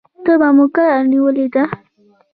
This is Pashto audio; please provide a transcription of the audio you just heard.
تبه مو کله نیولې ده؟